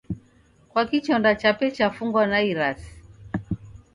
Kwaki chonda chape chafungwa na irasi?